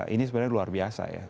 ini sebenarnya luar biasa ya